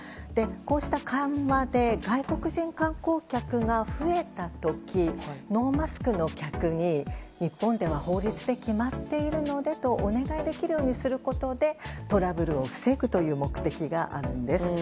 こうした緩和で外国人観光客が増えた時、ノーマスクの客に日本では法律で決まっているのでとお願いできるようにすることでトラブルを防ぐという目的があるんです。